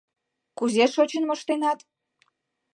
— Кузе шочын моштенат?